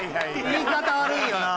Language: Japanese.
言い方悪いよな？